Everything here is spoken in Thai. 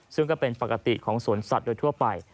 ซึ่งก็เป็นปกติของสวนสัตว์โดยทั่วไป